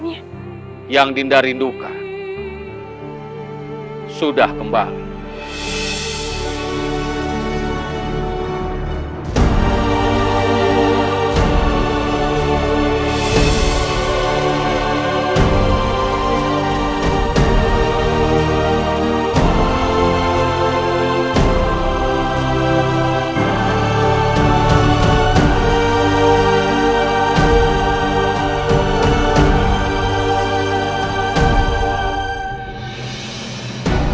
apa yang hanya tidak pernah kauui semua itu sangat terperangkap